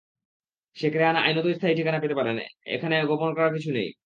শেখ রেহানা আইনতই স্থায়ী ঠিকানা পেতে পারেন, এখানে গোপন করার কিছু নেই।